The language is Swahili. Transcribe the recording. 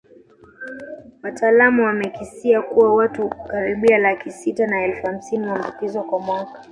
Wataalamu wamekisia kuwa watu karibia laki sita na elfu hamsini huambukizwa kwa mwaka